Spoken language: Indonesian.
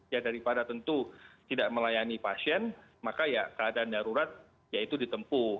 ya daripada tentu tidak melayani pasien maka ya keadaan darurat ya itu ditempuh